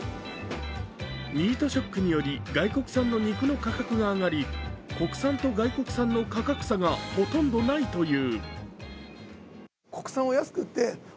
ミートショックにより外国産の肉の価格が上がり、国産と外国産の価格差がほとんどないという。